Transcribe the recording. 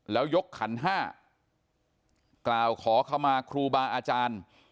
แล้วยกขันห้ากล่าวขอเข้ามาครูบาอาจารย์